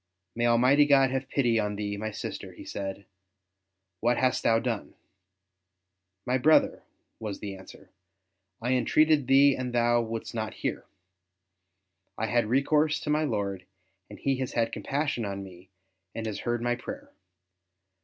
'' May Almighty God have pity on thee, my sister," he said; ''what hast thou done V '' My brother," was the answer, '' I entreated thee and thou wouldst not hear; I had recourse to my Lord, and He has had compassion on me and has heard my prayer.